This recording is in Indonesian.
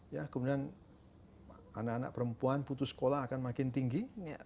ya kemudian anak anak perempuan putus sekolah akan makin tinggi